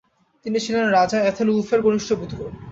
তিনি ছিলেন রাজা এথেলউলফের কনিষ্ঠ পুত্র।